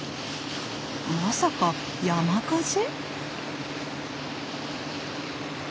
まさか山火事？